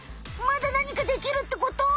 まだなにかできるってこと？